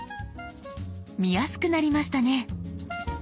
見やすくなりましたね。